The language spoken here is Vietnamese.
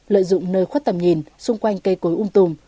lợi dụng nơi khuất tầm nhìn xung quanh cây cối ung tùng